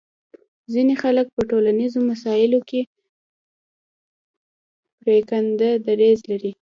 ځینې خلک په ټولنیزو مسایلو کې پرېکنده دریځ لري